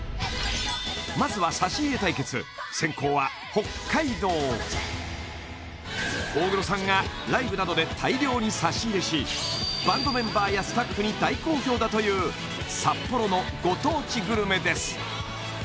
まずは差し入れ対決先攻は北海道大黒さんがライブなどで大量に差し入れしバンドメンバーやスタッフに大好評だという札幌のご当地グルメです！